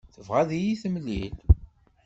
Tebɣa ad yi-temlil.